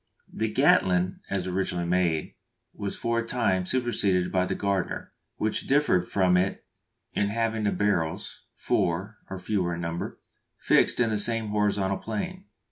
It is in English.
_ The Gatling, as originally made, was for a time superseded by the Gardner, which differed from it in having the barrels (four or fewer in number) fixed in the same horizontal plane.